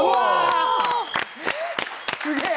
すげえ！